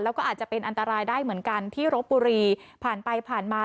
แล้วก็อาจจะเป็นอันตรายได้เหมือนกันที่รบบุรีผ่านไปผ่านมา